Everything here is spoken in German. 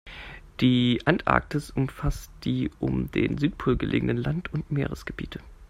Die Antarktis umfasst die um den Südpol gelegenen Land- und Meeresgebiete.